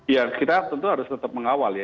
ya kita tentu harus tetap mengawal ya